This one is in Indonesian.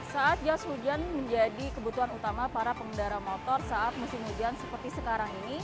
saat jas hujan menjadi kebutuhan utama para pengendara motor saat musim hujan seperti sekarang ini